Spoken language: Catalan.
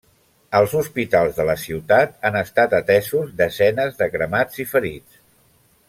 Als hospitals de la ciutat han estat atesos desenes de cremats i ferits.